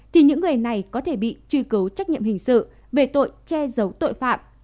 thì những người này có thể bị truy cứu trách nhiệm hình sự về tội che giấu tội phạm